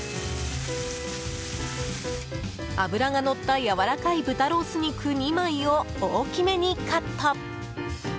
脂がのったやわらかい豚ロース肉２枚を大きめにカット。